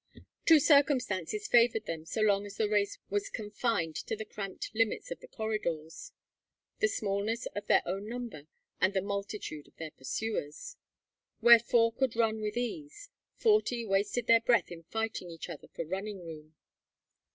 Two circumstances favoured them so long as the race was confined to the cramped limits of the corridors: the smallness of their own number, and the multitude of their pursuers. Where four could run with ease, forty wasted their breath in fighting each other for running room.